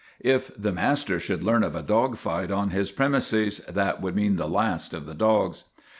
If the master should learn of a dog fight on his premises, that would mean the last of the dogs.